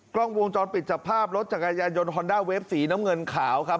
กล้องวงจรปิดจับภาพรถจักรยานยนต์ฮอนด้าเวฟสีน้ำเงินขาวครับ